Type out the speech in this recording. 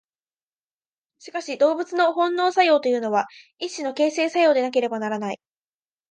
しかし動物の本能作用というのは一種の形成作用でなければならない。